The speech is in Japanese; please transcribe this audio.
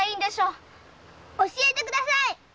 教えてください！